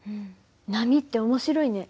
波って面白いね。